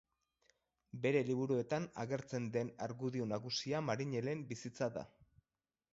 Bere liburuetan agertzen den argudio nagusia marinelen bizitza da.